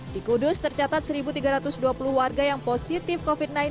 di kudus tercatat satu tiga ratus dua puluh warga yang positif covid sembilan belas